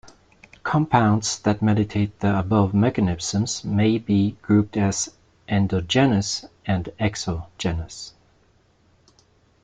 Compounds that mediate the above mechanisms may be grouped as endogenous and exogenous.